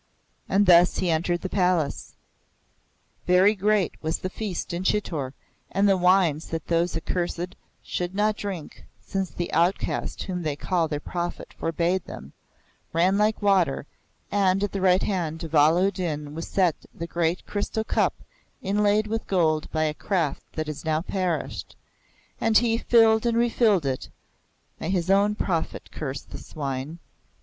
And thus he entered the palace. Very great was the feast in Chitor, and the wines that those accursed should not drink (since the Outcast whom they call their Prophet forbade them) ran like water, and at the right hand of Allah u Din was set the great crystal Cup inlaid with gold by a craft that is now perished; and he filled and refilled it may his own Prophet curse the swine!